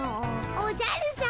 おじゃるさま